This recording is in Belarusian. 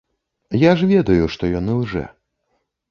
Я ж ведаю, што ён ілжэ.